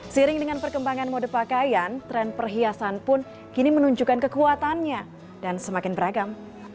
siring dengan perkembangan mode pakaian tren perhiasan pun kini menunjukkan kekuatannya dan semakin beragam